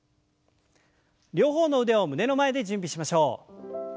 両方の腕を胸の前で準備しましょう。